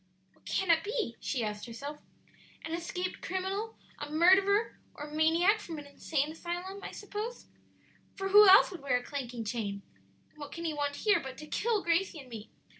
"What can it be?" she asked herself. "An escaped criminal a murderer or a maniac from an insane asylum, I suppose; for who else would wear a clanking chain? and what can he want here but to kill Gracie and me?